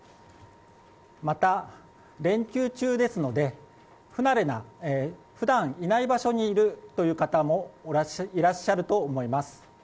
また、連休中ですので不慣れな普段いない場所にいるという方もいらっしゃると思います。